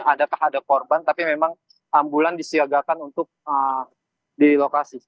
adakah ada korban tapi memang ambulan disiagakan untuk di lokasi